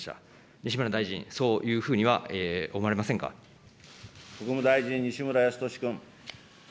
西村大臣、そういうふうには思わ国務大臣、西村康稔君。